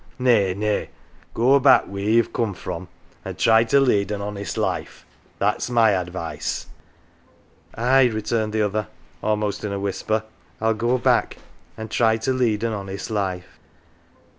Nay, nay, go back wheer ye've corned from, 'an 1 try to lead an honest Jife that's my advice." '" Aye," returned the other, almost in a whisper, " 111 'go back an' try to lead an honest life."